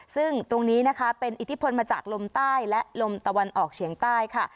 ซึ่งตรงนี้นะคะเป็นอิทธิพลมาจากลมใต้และลมตะวันออกเฉียงใต้ค่ะ